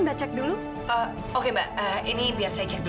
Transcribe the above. amin sekali lagi terima kasih ya